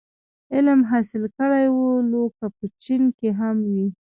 علم حاصل کړی و لو که په چين کي هم وي.